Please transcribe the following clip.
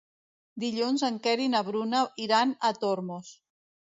Dilluns en Quer i na Bruna iran a Tormos.